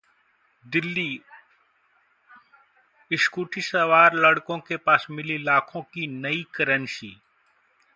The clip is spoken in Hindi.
दिल्लीः स्कूटी सवार लड़कों के पास मिली लाखों की नई करेंसी